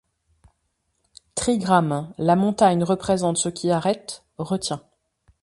trigramme : la montagne représente ce qui arrête, retient.